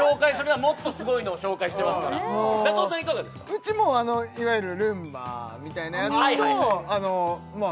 うちもいわゆるルンバみたいなやつとあのまあ